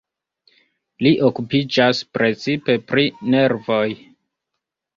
Li okupiĝas precipe pri nervoj.